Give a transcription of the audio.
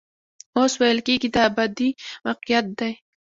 اوس ویل کېږي دا ابدي واقعیت دی.